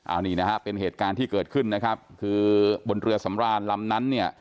อันนี้นะฮะเป็นเหตุการณ์ที่เกิดขึ้นนะครับคือบนเรือสำรานลำนั้นเนี่ย